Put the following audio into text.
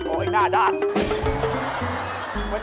โอ๊ยหน้าดาด